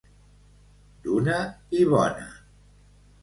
D'una i bona.